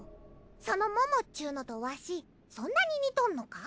そのももっちゅうのとわしそんなに似とんのか？